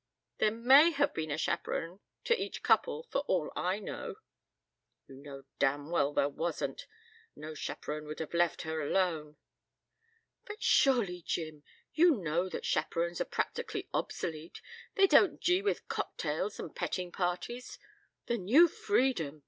"There may have been a chaperon to each couple for all I know." "You know damn well there wasn't. No chaperon would have left her alone." "But surely, Jim, you know that chaperons are practically obsolete. They don't gee with cocktails and petting parties. The New Freedom!